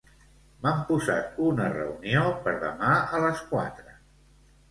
M'han posat una reunió per demà a les quatre.